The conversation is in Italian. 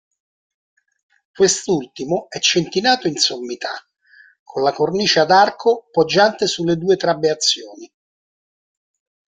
Quest'ultimo è centinato in sommità, con la cornice ad arco poggiante sulle due trabeazioni.